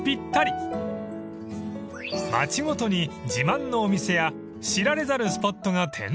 ［町ごとに自慢のお店や知られざるスポットが点在］